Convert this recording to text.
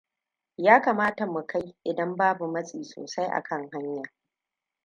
Ya kamata mukai idan babu matsi sosai akan hanya.